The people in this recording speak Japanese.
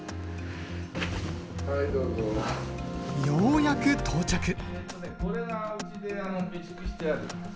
ようやく到着。